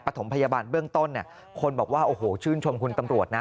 ถมพยาบาลเบื้องต้นเนี่ยคนบอกว่าโอ้โหชื่นชมคุณตำรวจนะ